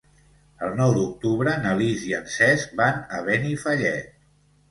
El nou d'octubre na Lis i en Cesc van a Benifallet.